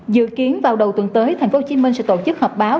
dự kiến vào đầu tuần tới thành phố hồ chí minh sẽ tổ chức họp báo